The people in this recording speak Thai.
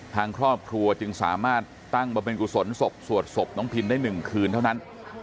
ทางครอบครัวจึงสามารถตั้งบำเพ็ญกุศลศพสวดศพน้องพินได้๑คืนเท่านั้น